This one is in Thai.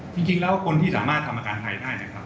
จริงแล้วคนที่สามารถทำอาการไทยได้นะครับ